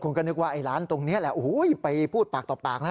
คุณก็นึกว่าไอ้ร้านตรงนี้แหละโอ้โหไปพูดปากต่อปากนะ